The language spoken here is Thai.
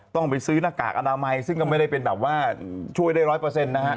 ต้องไปซื้อหน้ากากอนามัยซึ่งก็ไม่ได้เป็นแบบว่าช่วยได้ร้อยเปอร์เซ็นต์นะฮะ